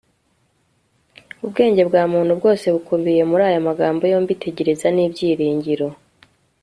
ubwenge bwa muntu bwose bukubiye muri aya magambo yombi, tegereza n'ibyiringiro